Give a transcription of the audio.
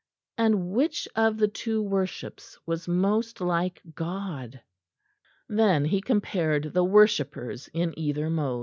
And which of the two worships was most like God?... Then he compared the worshippers in either mode.